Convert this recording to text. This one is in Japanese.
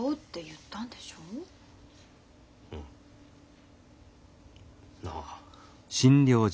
うん。なあ？